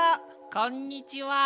こんにちは。